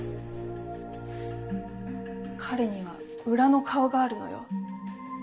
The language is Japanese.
彼には裏の顔があるのよ。